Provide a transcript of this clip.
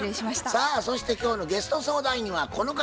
さあそして今日のゲスト相談員はこの方。